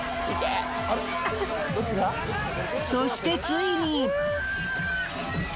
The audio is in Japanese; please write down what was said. そしてついに。